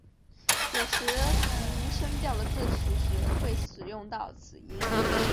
有时读无声调的字词时会使用到此音。